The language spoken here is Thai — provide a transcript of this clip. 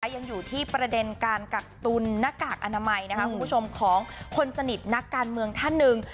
แล้วยังอยู่ที่ประเด็นการกักตุนนักกากอนามัยของคนสนิทการเมืองท่านหนึ่ง